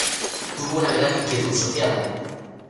Tuvo una gran inquietud social.